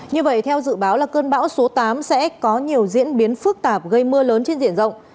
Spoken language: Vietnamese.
như vậy theo dự báo là cơn bão số tám sẽ có nhiều diễn biến phức tạp gây mưa lớn trên diện rộng